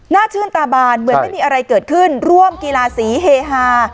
ชื่นตาบานเหมือนไม่มีอะไรเกิดขึ้นร่วมกีฬาสีเฮฮา